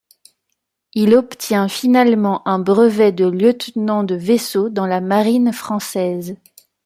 Il obtient finalement un brevet de lieutenant de vaisseau dans la Marine française.